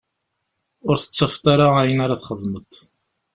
Ur tettafeḍ ara ayen ara txedmeḍ.